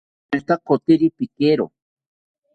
Pamitakoteri pikero